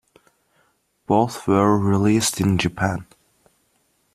Both were released in Japan.